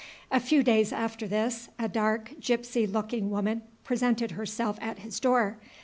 A few days after this, a dark, gypsy looking woman presented herself at his door.